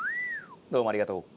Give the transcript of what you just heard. どうもありがとう。